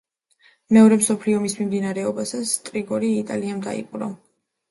მეორე მსოფლიო ომის მიმდინარეობისას, ტროგირი იტალიამ დაიპყრო.